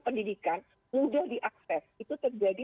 pendidikan mudah diakses itu terjadi